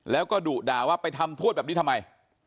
แล้วก็ดุด่าว่าไปทำโทษแบบนี้ทำไม